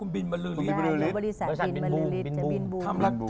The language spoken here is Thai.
บริษัทบิลบูม